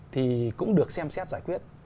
thì cũng được xem xét giải quyết